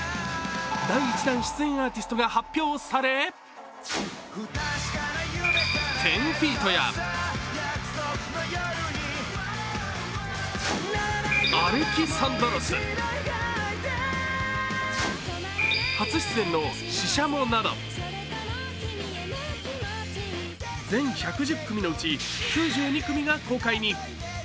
第１弾出演アーティストが発表され、１０−ＦＥＥＴや［Ａｌｅｘａｎｄｒｏｓ］、初出演のＳＨＩＳＨＡＭＯなど、全１１０組のうち９２組が公開に。